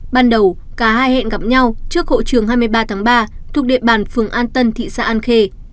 ban đầu cả hai hẹn gặp nhau trước hộ trường hai mươi ba tháng ba thuộc địa bàn phường an tân thị xã an khê